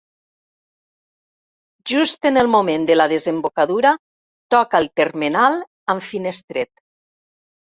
Just en el moment de la desembocadura toca el termenal amb Finestret.